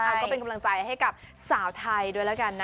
เอาก็เป็นกำลังใจให้กับสาวไทยด้วยแล้วกันนะ